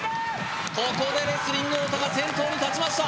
ここでレスリング・太田が先頭に立ちました